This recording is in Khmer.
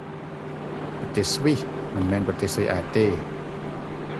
ប្រទេសស្វ៊ីស មិនមែនប្រទេសស៊ុយអែតទេ ។